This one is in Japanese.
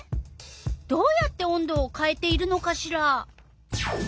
どうやって温度をかえているのかしら？